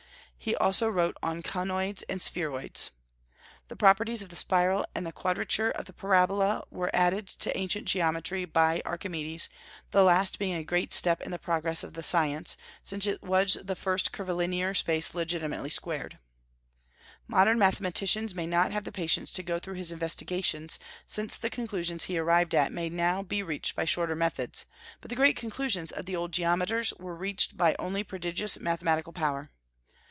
He also wrote on conoids and spheroids. "The properties of the spiral and the quadrature of the parabola were added to ancient geometry by Archimedes, the last being a great step in the progress of the science, since it was the first curvilineal space legitimately squared." Modern mathematicians may not have the patience to go through his investigations, since the conclusions he arrived at may now be reached by shorter methods; but the great conclusions of the old geometers were reached by only prodigious mathematical power.